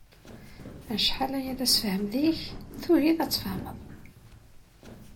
Acḥal aya d asefhem deg-k, tugiḍ ad tfehmeḍ.